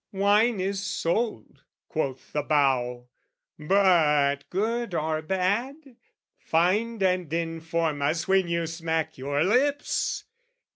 "Wine is sold," quoth the bough, "but good or bad, "Find, and inform us when you smack your lips!"